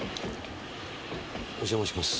お邪魔します。